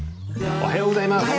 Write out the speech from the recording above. おはようございます。